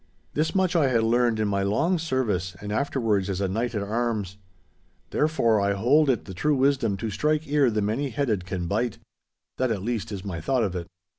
This much I had learned in my long service and afterwards as a knight at arms. Therefore I hold it the true wisdom to strike ere the many headed can bite. That, at least, is my thought of it.